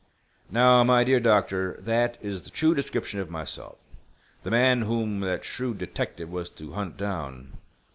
"Now, my dear doctor, that is the true description of myself, the man whom that shrewd detective was to hunt down.